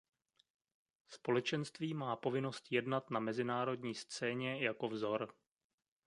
Společenství má povinnost jednat na mezinárodní scéně jako vzor.